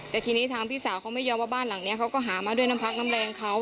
แต่ทีนี้ทางพี่สาวเขาไม่ยอมว่าบ้านหลังนี้เขาก็หามาด้วยน้ำพักน้ำแรงเขา